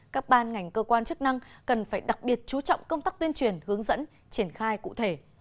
các ban ngành cơ quan chức năng cần phải đặc biệt chú trọng công tác tuyên truyền hướng dẫn triển khai cụ thể